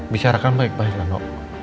bicarakan baik baik nino